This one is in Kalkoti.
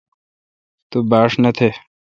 تو باݭ نہ تھ۔